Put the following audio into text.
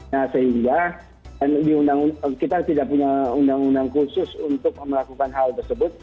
nah sehingga kita tidak punya undang undang khusus untuk melakukan hal tersebut